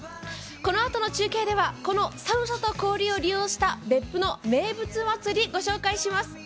このあとの中継ではこの寒さと氷を利用した別府の名物祭り、ご紹介します。